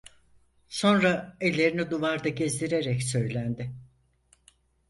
Sonra ellerini duvarda gezdirerek söylendi.